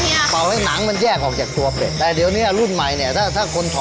เฮียบอกว่าเมื่อก่อนทำเวลา๔๕๐๐ตัวใช่ไหมคะ